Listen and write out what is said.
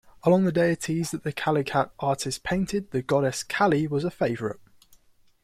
Among the deities that the Kalighat artists painted, the goddess Kali was a favorite.